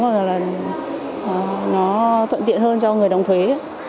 hoặc là nó thuận tiện hơn cho người đóng thuế